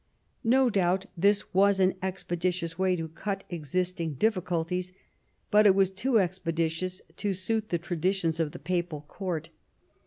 No doubt this was an expeditious way to cut existing diffi culties ; but it was too expeditious to suit the traditions of the Papal Court.